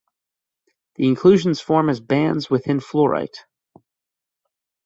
The inclusions form as bands within fluorite.